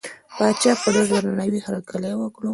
پاچا په ډېر درناوي هرکلی وکړ.